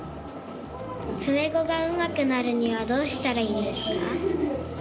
詰碁がうまくなるにはどうしたらいいんですか？